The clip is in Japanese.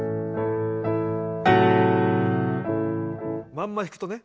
まんま弾くとね。